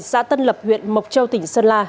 xã tân lập huyện mộc châu tỉnh sơn la